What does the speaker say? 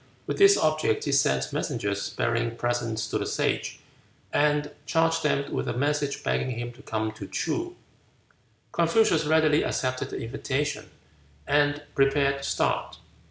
With this object he sent messengers bearing presents to the Sage, and charged them with a message begging him to come to Ts'oo. Confucius readily accepted the invitation, and prepared to start.